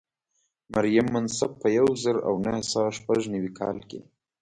مریم منصف په یو زر او نهه سوه شپږ نوي کال کې.